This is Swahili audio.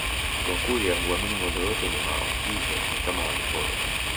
Wakurya huamini ngombe wote ni wao hivyo ni kama waliporwa